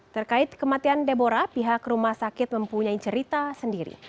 terkait kematian debora pihak rumah sakit mempunyai cerita sendiri